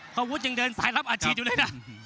อาวุธยังเดินสายรับอาชีพอยู่เลยนะ